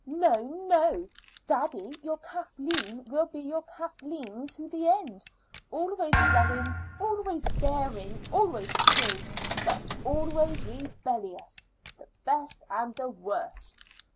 No, no, daddy, your Kathleen will be your Kathleen to the end always loving, always daring, always true, but always rebellious; the best and the worst.